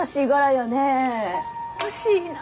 欲しいな。